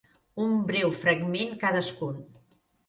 Un breu fragment cadascun.